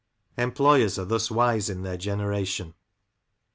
Employers are thus wise in their generation.